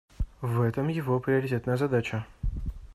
В этом его приоритетная задача.